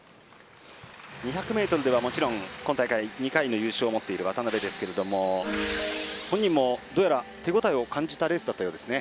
２００ｍではもちろん２回の優勝を持っている渡辺ですけども本人もどうやら手応えを感じたレースだったようですね。